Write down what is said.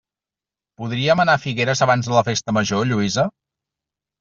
Podríem anar a Figueres abans de la festa major, Lluïsa?